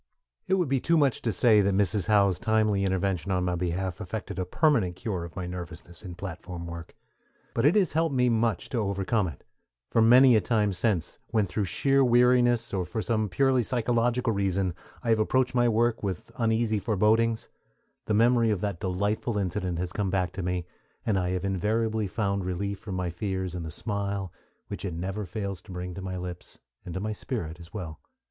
It would be too much to say that Mrs. Howe's timely intervention on my behalf effected a permanent cure of my nervousness in platform work; but it has helped me much to overcome it; for many a time since, when through sheer weariness, or for some purely psychological reason, I have approached my work with uneasy forebodings, the memory of that delightful incident has come back to me, and I have invariably found relief from my fears in the smile which it never fails to bring to my lips, and to my spirit as well.